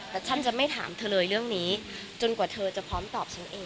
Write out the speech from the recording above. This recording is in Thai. แต่ฉันจะไม่ถามเธอเลยเรื่องนี้จนกว่าเธอจะพร้อมตอบฉันเอง